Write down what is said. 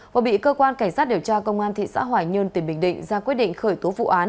và bị cơ quan cảnh sát điều tra công an thị xã hoài nhơn tỉnh bình định ra quyết định khởi tố vụ án